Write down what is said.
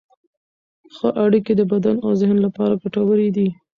ښه اړیکې د بدن او ذهن لپاره ګټورې دي.